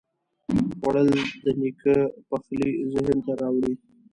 خوړل د نیکه پخلی ذهن ته راوړي